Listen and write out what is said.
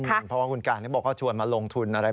เพราะว่าคุณการบอกว่าชวนมาลงทุนอะไร